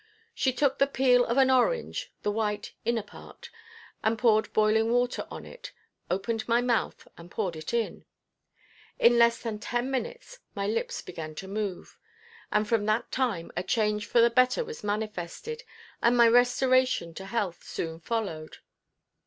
She took the peel of an orange, (the white inner part) and poured boiling water on it, opened my mouth and poured it in. In less than ten minutes my lips began to move, and from that time a change for the better was manifested, and my restoration to health soon followed.